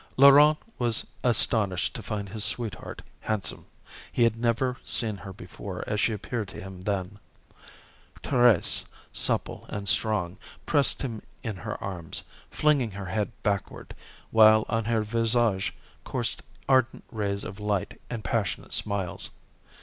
Laurent was astonished to find his sweetheart handsome. He had never seen her before as she appeared to him then. Thérèse, supple and strong, pressed him in her arms, flinging her head backward, while on her visage coursed ardent rays of light and passionate smiles.